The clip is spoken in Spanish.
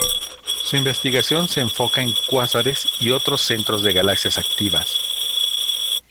Su investigación se enfoca en cuásares y otros centros de galaxias activas.